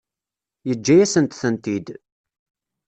Yeǧǧa-yasent-tent-id.